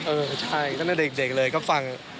เออใช่ตั้งแต่เด็กเลยก็ฟัง